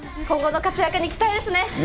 今後の活躍に期待ですね。